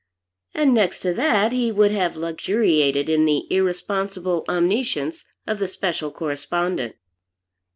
And next to that he would have luxuriated in the irresponsible omniscience of the Special Correspondent.